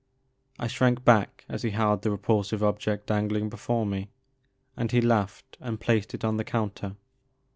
I shrank back as he held the repulsive object dangling before me, and he laughed and placed it on the counter.